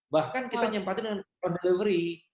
bahkan kita nyempatin dengan on delivery